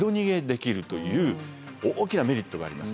できるという大きなメリットがあります。